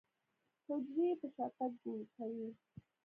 حجرې يې په شاتګ کوي.